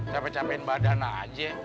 capek capekin badan aja